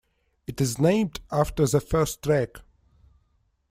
It is named after the first track.